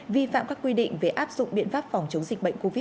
vi phạm các quy định về áp dụng biện pháp phòng chống dịch bệnh covid một mươi chín